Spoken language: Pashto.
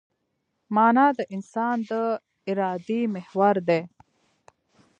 مانا د انسان د ارادې محور دی.